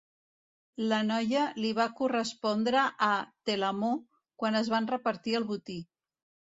La noia li va correspondre a Telamó quan es van repartir el botí.